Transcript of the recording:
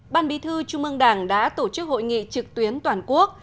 ban bí thư trung ương đảng đã tổ chức hội nghị trực tuyến toàn quốc